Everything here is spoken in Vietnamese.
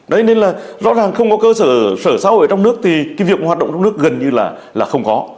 đấy nên là rõ ràng không có cơ sở sở xã hội ở trong nước thì cái việc hoạt động trong nước gần như là không có